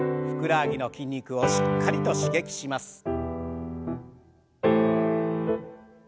ふくらはぎの筋肉をしっかりと刺激します。